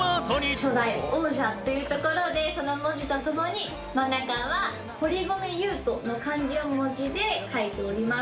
初代王者というところでその文字と共に真ん中は堀米雄斗の漢字を用いて書いております。